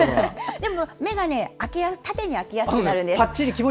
でも、目が縦に開きやすくなるんです。